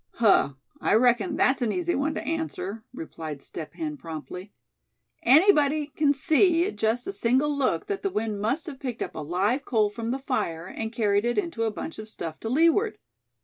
"Huh! I reckon that's an easy one to answer," replied Step Hen, promptly. "Anybody c'n see at just a single look that the wind must have picked up a live coal from the fire, and carried it into a bunch of stuff to leeward.